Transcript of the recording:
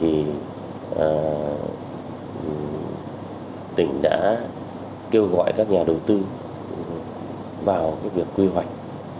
thì tỉnh đã kêu gọi các nhà đầu tư vào việc quy hoạch